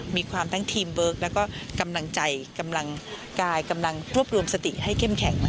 มีความทั้งทีมเวิร์คแล้วก็กำลังใจกำลังกายกำลังรวบรวมสติให้เข้มแข็ง